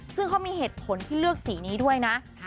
ซึ่งเขามีเหตุผลที่เลือกสีนี้ด้วยนะ